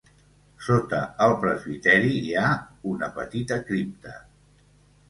Sota el presbiteri hi ha una petita cripta.